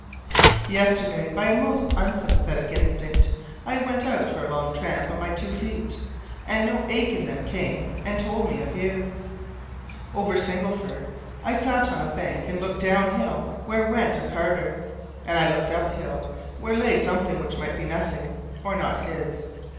Yesterday, by a most unsympathetic instinct, I went out for a long tramp on my two feet; and no ache in them came and told me of you! Over Sillingford I sat on a bank and looked downhill where went a carter. And I looked uphill where lay something which might be nothing or not his.